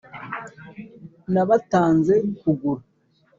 Nabatanze kugura !